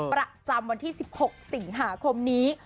ประจำวันที่๑๖สิงหาคมนี้